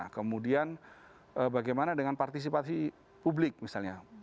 kemudian bagaimana dengan partisipasi publik misalnya